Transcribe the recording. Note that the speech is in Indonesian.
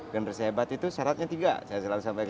generasi hebat itu syaratnya tiga